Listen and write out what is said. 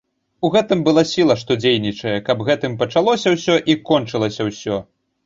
У гэтым была сіла, што дзейнічае, каб гэтым пачалося ўсё і кончылася ўсё.